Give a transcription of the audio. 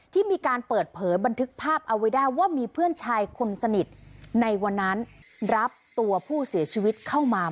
ที่มีการเปิดเผยบันทึกภาพเอาไว้ได้ว่ามีเพื่อนชายคนสนิทในวันนั้นรับตัวผู้เสียชีวิตเข้ามา